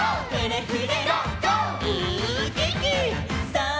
さあ